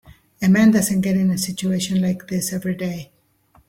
A man doesn't get in a situation like this every day.